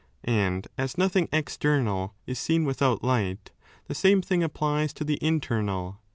And as nothing external is seen without light, the same thing applies to the internal.